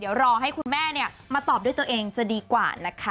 เดี๋ยวรอให้คุณแม่มาตอบด้วยตัวเองจะดีกว่านะคะ